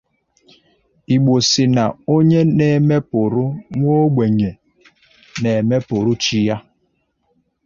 Igbo sị na onye na-emepùrú nwaogbenye na-emepùru chi ya